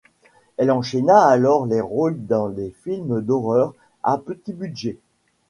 Elle enchaîna alors les rôles dans les films d'horreur à petit budget.